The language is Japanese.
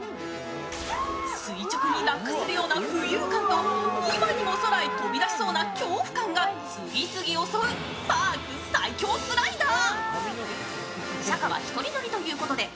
垂直に落下するような浮遊感と今にも空へ飛び出しそうな恐怖感が次々襲うパーク最恐スライダー。